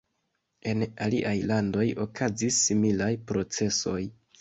En aliaj landoj okazis similaj procesoj.